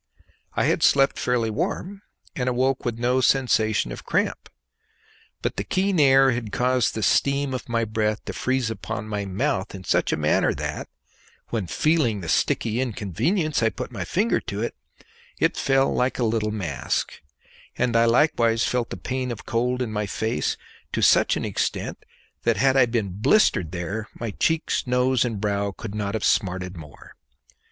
I had slept fairly warm, and awoke with no sensation of cramp; but the keen air had caused the steam of my breath to freeze upon my mouth in such a manner that, when feeling the sticky inconvenience I put my finger to it, it fell like a little mask; and I likewise felt the pain of cold in my face to such an extent that had I been blistered there my cheeks, nose, and brow could not have smarted more.